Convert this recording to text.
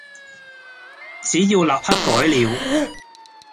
只要立刻改了，